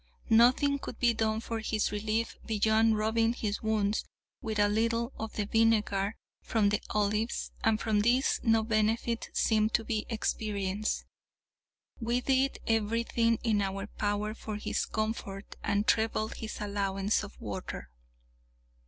Nothing could be done for his relief beyond rubbing his wounds with a little of the vinegar from the olives, and from this no benefit seemed to be experienced. We did every thing in our power for his comfort, and trebled his allowance of water.